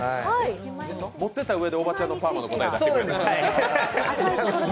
持ってたうえで、おばちゃんのパーマの答えを出してくれた。